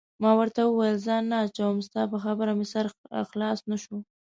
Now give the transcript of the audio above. ما ورته وویل: ځان نه اچوم، ستا په خبره مې سر خلاص نه شو.